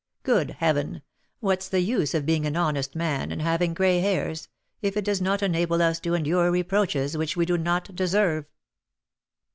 Good Heaven! what's the use of being an honest man, and having gray hairs, if it does not enable us to endure reproaches which we do not deserve?"